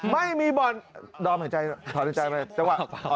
ไม่มีบ่อนดอหัวใจถอดหัวใจไหม